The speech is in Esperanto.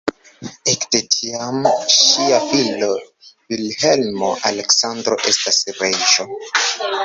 Ekde tiam ŝia filo Vilhelmo-Aleksandro estas reĝo.